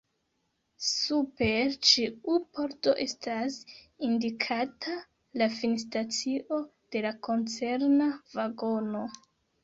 Super ĉiu pordo estas indikata la finstacio de la koncerna vagono.